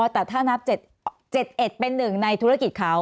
แต่ถ้านับ๗๑เป็นหนึ่งในธุรกิจเขา